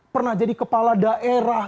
pernah jadi kepala daerah